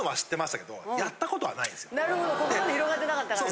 なるほどここまで広がってなかったからね。